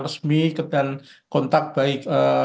resmi dan kontak baik